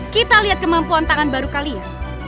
kita lihat kemampuan tangan baru kalian